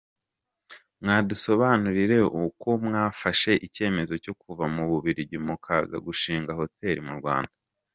com : mwadusobanurire ukomwafashe icyemezo cyo kuva mu Bubiligi mukaza gushinga Hoteli mu Rwanda ?.